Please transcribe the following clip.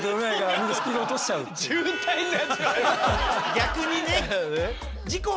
逆にね。